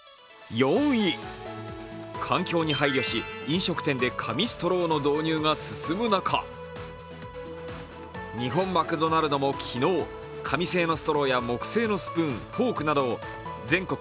環境に配慮し飲食店で紙ストローの導入が進む中、日本マクドナルドも昨日紙製のストローや木製のスプーン、フォークなどを全国